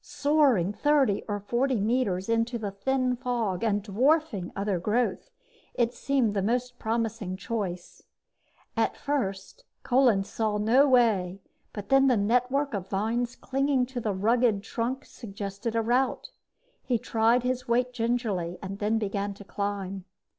Soaring thirty or forty meters into the thin fog and dwarfing other growth, it seemed the most promising choice. At first, Kolin saw no way, but then the network of vines clinging to the rugged trunk suggested a route. He tried his weight gingerly, then began to climb.